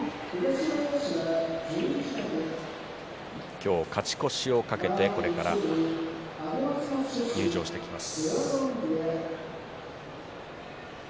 今日、勝ち越しを懸けてこれから入場してきます。